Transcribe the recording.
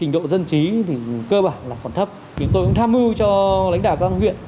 tôi cũng tham mưu cho lãnh đạo các ngành huyện